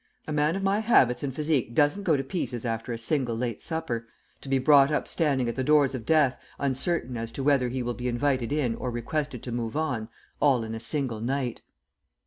A man of my habits and physique doesn't go to pieces after a single late supper, to be brought up standing at the doors of death uncertain as to whether he will be invited in or requested to move on, all in a single night."